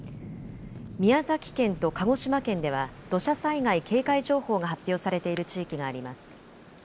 宮崎県と鹿児島県では土砂災害警戒情報が発表されている地域があります。